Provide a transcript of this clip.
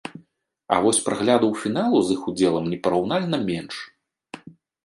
А вось праглядаў фіналу з іх удзелам непараўнальна менш.